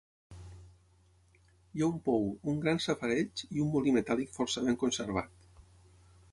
Hi ha un pou, un gran safareig i un molí metàl·lic força ben conservat.